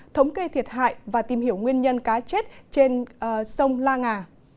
thống kê thiệt hại và tìm hiểu nguyên nhân cá chết trên sông la ngà